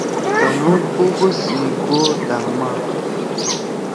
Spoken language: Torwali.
تُنُو بغض سی گو داما